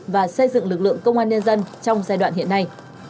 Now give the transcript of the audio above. và xây dựng lực lượng công an nhân dân trong giai đoạn hiện nay